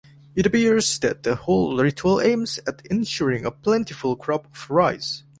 It appears that the whole ritual aims at ensuring a plentiful crop of rice.